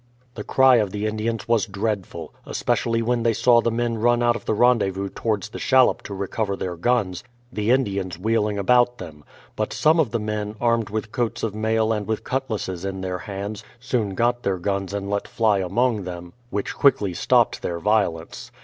The cry of the Indians was dreadful, especially when they saw the men run out of the rendezvous towards the shallop to recover their guns, the Indians wheeling about them. But some of the m.en, armed with coats of mail and with cutlasses in their hands, soon got their guns and let fly among them, which quickly stopped their violence.